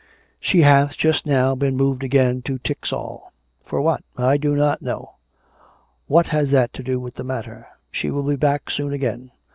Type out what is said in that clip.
" She hath just now been moved again to Tixall." " For what? "" I do not know. What has that to do with the matter? She will be back soon again.